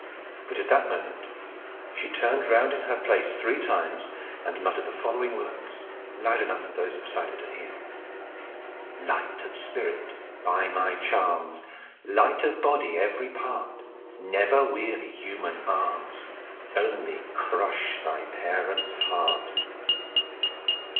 But at that moment she turned round in her place three times, and muttered the following words, loud enough for those beside her to hear: "Light of spirit, by my charms, Light of body, every part, Never weary human arms Only crush thy parents' heart!"